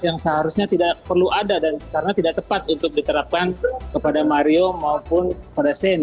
yang seharusnya tidak perlu ada dan karena tidak tepat untuk diterapkan kepada mario maupun pada shane